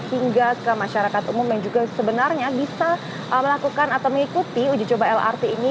hingga ke masyarakat umum yang juga sebenarnya bisa melakukan atau mengikuti uji coba lrt ini